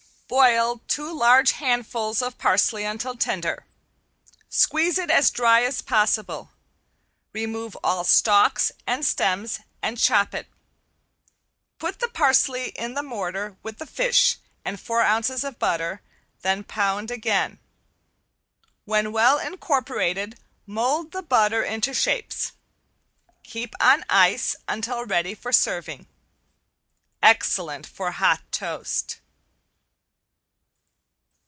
Boil two large handfuls of parsley until tender, squeeze it as dry as possible, remove all stalks and stems and chop it. Put the parsley in the mortar with the fish and four ounces of butter, then pound again. When well incorporated mold the butter into shapes. Keep on ice until ready for serving. Excellent for hot toast.